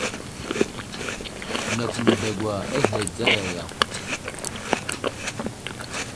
Nakw me dagwa aghe dzaya yakw.